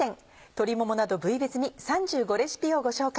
鶏ももなど部位別に３５レシピをご紹介。